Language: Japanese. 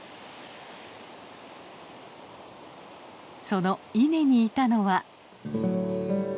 その稲にいたのは。